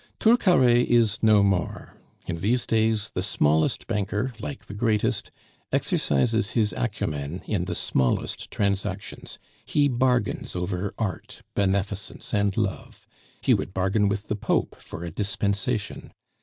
Turcaret is no more. In these days the smallest banker, like the greatest, exercises his acumen in the smallest transactions; he bargains over art, beneficence, and love; he would bargain with the Pope for a dispensation.